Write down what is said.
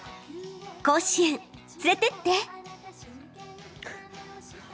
甲子園、連れてって。